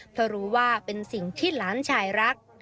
เพราะรู้ว่าเป็นสิ่งที่หลานชายรัก